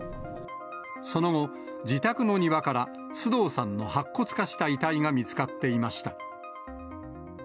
その後、自宅の庭から、須藤さんの白骨化した遺体が見つかっていました。